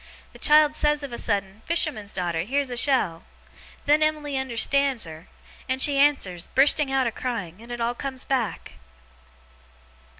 The child says of a sudden, "Fisherman's daughter, here's a shell!" Then Em'ly unnerstands her; and she answers, bursting out a crying; and it all comes back!